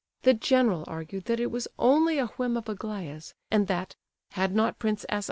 The general argued that it was only a whim of Aglaya's; and that, had not Prince S.